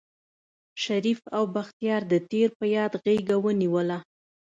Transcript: شريف او بختيار د تېر په ياد غېږه ونيوله.